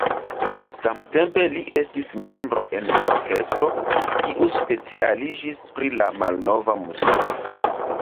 Samtempe li estis membro en orkestro, kiu specialiĝis pri la malnova muziko.